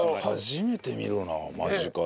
初めて見るよな間近で。